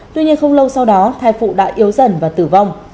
tuy nhiên không lâu sau đó thai phụ đã yếu dần và tử vong